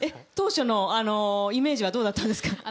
当初のイメージはどうだったんですか？